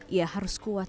ia harus kuat